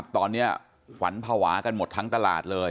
ตอนนี้ขวัญภาวะกันหมดทั้งตลาดเลย